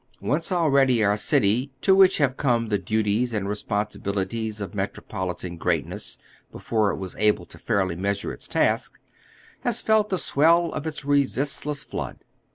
Once already our city, to which have come the duties and responsibili ties of metropolitan greatness before it was able to fairly measure its task, has felt the swell of its resistless flood.